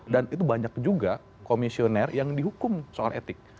dan itu banyak juga komisioner yang dihukum soal etik